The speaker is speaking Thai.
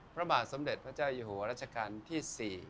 พระบาทสมเด็จพระเจ้าอยู่หัวรัชกาลที่๔